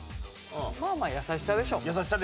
「まあまあ優しさでしょ」と。